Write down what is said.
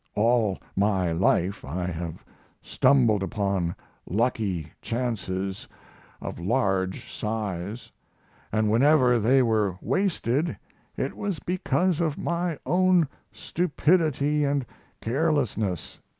All my life I have stumbled upon lucky chances of large size, and whenever they were wasted it was because of my own stupidity and carelessness.